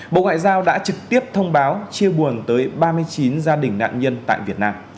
bộ ngoại giao đã trực tiếp thông báo chia buồn tới ba mươi chín gia đình nạn nhân tại việt nam